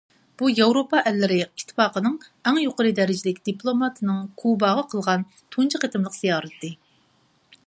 بۇ ياۋروپا ئەللىرى ئىتتىپاقىنىڭ ئەڭ يۇقىرى دەرىجىلىك دىپلوماتىنىڭ كۇباغا قىلغان تۇنجى قېتىملىق زىيارىتى.